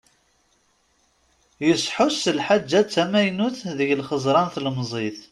Yesḥus s lḥaǧa d tamaynut deg lxeẓra n tlemẓit.